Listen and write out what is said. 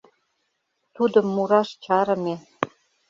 Тудым мураш чарыме.